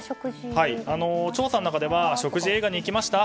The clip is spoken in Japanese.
調査の中では食事、映画に行きました？